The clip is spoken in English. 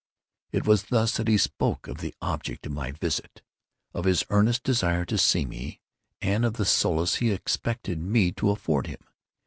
It was thus that he spoke of the object of my visit, of his earnest desire to see me, and of the solace he expected me to afford him.